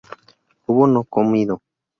hubo no comido